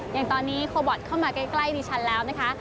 อย่างตอนนี้โคบอทเข้ามาใกล้ดิฉันแล้วนะคะ